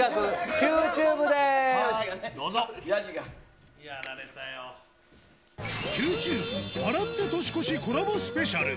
Ｑｔｕｂｅ笑って年越しコラボスペシャル。